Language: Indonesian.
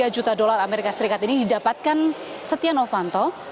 tujuh tiga juta dolar as ini didapatkan setia novanto